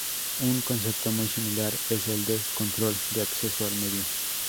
Un concepto muy similar es el de control de acceso al medio.